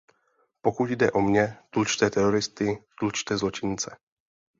Pokud jde o mě, tlučte teroristy, tlučte zločince.